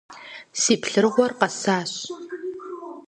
Си плъырыгъуэр къэсащ.